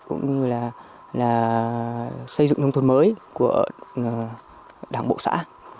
cũng như là xây dựng nông thôn mới của đảng bộ xã